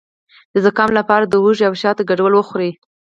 د زکام لپاره د هوږې او شاتو ګډول وخورئ